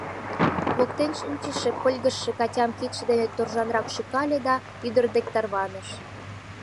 Воктен шинчыше, пыльгыжше Катям кидше дене торжанрак шӱкале да ӱдыр дек тарваныш.